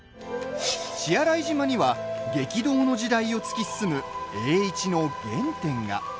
血洗島には激動の時代を突き進む栄一の原点が。